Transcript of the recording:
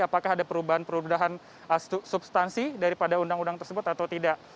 apakah ada perubahan perubahan substansi daripada undang undang tersebut atau tidak